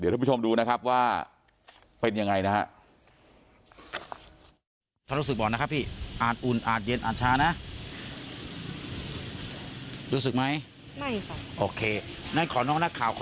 ทุกผู้ชมดูนะครับว่าเป็นยังไงนะครับ